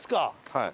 はい。